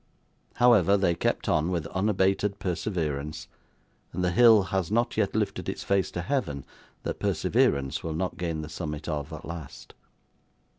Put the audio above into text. However, they kept on, with unabated perseverance, and the hill has not yet lifted its face to heaven that perseverance will not gain the summit of at last.